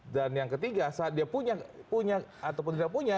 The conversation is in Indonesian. dan yang ketiga saat dia punya ataupun tidak punya